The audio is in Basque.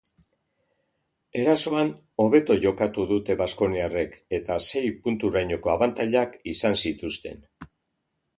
Erasoan hobeto jokatu dute baskoniarrek eta sei punturainoko abantailak izan zituzten.